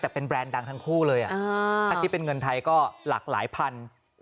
แต่เป็นแบรนด์ดังทั้งคู่เลยถ้าคิดเป็นเงินไทยก็หลากหลายพัน